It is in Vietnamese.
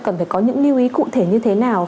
cần phải có những lưu ý cụ thể như thế nào